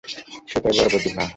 সেটা বড় প্রতিভা।